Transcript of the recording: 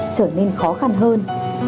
trở nên khó khăn hơn